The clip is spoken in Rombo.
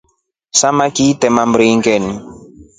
Samaki atema mringeni.